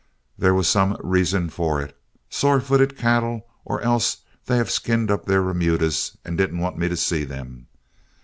There was some reason for it sore footed cattle, or else they have skinned up their remudas and didn't want me to see them.